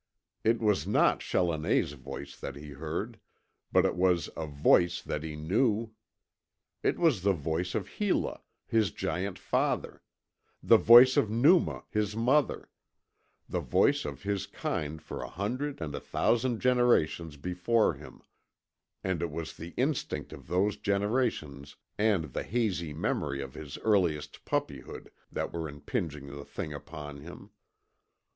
It was not Challoner's voice that he heard, but it was A VOICE THAT HE KNEW. It was the voice of Hela, his giant father; the voice of Numa, his mother; the voice of his kind for a hundred and a thousand generations before him, and it was the instinct of those generations and the hazy memory of his earliest puppyhood that were impinging the thing upon him.